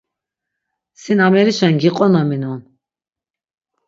Sin amerişen giqonaminon.